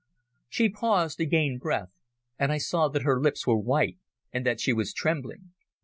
She paused to gain breath, and I saw that her lips were white, and that she was trembling.